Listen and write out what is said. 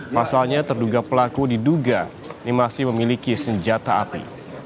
pasalnya terduga pelaku diduga ini masih memiliki senjata api